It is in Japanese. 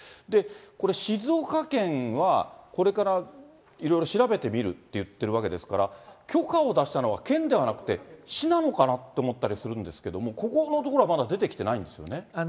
これ、静岡県はこれからいろいろ調べてみるって言ってるわけですから、許可を出したのは県ではなくて、市なのかなと思ったりするんですけれども、ここのところはまだ出てきてないんですよね。